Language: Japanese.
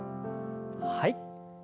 はい。